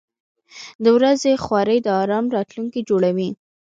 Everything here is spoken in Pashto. • د ورځې خواري د آرام راتلونکی جوړوي.